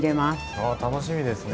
あ楽しみですね。